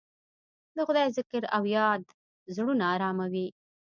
د خدای ذکر او یاد زړونه اراموي.